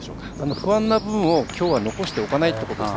不安な部分をきょうは残しておかないということです。